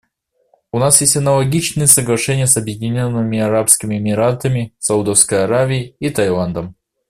У нас есть аналогичные соглашения с Объединенными Арабскими Эмиратами, Саудовской Аравией и Таиландом.